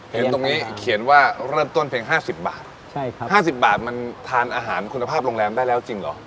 เห็นตรงนี้เขียนว่าเริ่มต้นเพลงห้าสิบบาทใช่ครับห้าสิบบาทมันทานอาหารคุณภาพโรงแรมได้แล้วจริงเหรอ